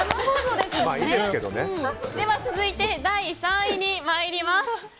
では続いて第３位に参ります。